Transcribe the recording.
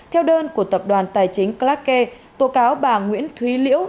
theo đơn của tập đoàn tài chính clark k tổ cáo bà nguyễn thúy liễu